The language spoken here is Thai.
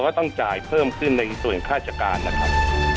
ก็ต้องจ่ายเพิ่มขึ้นในส่วนค่าจัดการนะครับ